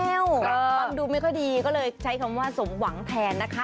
มันดูไม่ค่อยดีก็เลยใช้คำว่าสมหวังแทนนะคะ